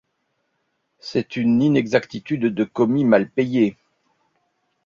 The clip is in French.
C’est une inexactitude de commis mal payé.